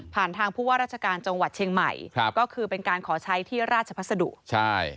ผ่านทางผู้ว่าราชการจังหวัดเชียงใหม่ก็คือเป็นการขอใช้ที่ราชพศดู